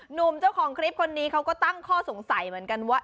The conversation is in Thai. หนุ่มเจ้าของคลิปคนนี้เขาก็ตั้งข้อสงสัยเหมือนกันว่า